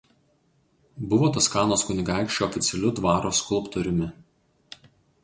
Buvo Toskanos kunigaikščio oficialiu dvaro skulptoriumi.